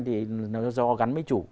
thì nó do gắn với chủ